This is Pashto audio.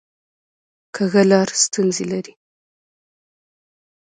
کوږه لار ستونزې لري